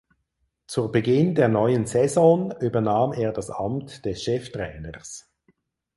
Zu Beginn der neuen Saison übernahm er das Amt des Cheftrainers.